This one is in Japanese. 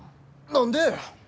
何で。